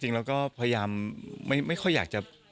จริงแล้วก็พยายามไม่ค่อยอยากจะ